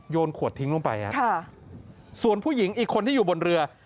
ขวดทิ้งลงไปส่วนผู้หญิงอีกคนที่อยู่บนเรือ